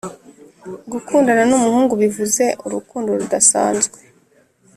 gukundana numuhungu bivuze urukundo rudasanzwe